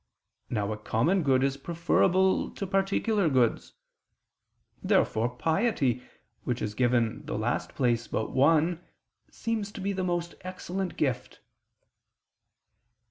Now a common good is preferable to particular goods. Therefore piety, which is given the last place but one, seems to be the most excellent gift.